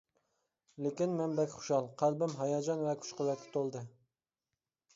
لېكىن، مەن بەك خۇشال، قەلبىم ھاياجان ۋە كۈچ-قۇۋۋەتكە تولدى.